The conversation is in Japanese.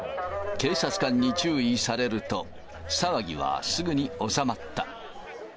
警察官に注意されると、騒ぎはすぐに収まった。